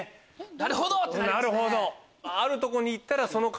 なるほど！ってなりますね。